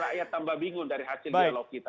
rakyat tambah bingung dari hasil dialog kita